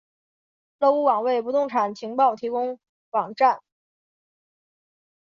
乐屋网为不动产情报提供网站。